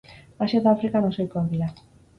Asia eta Afrikan oso ohikoak dira.